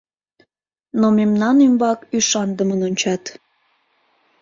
Но мемнан ӱмбак ӱшандымын ончат.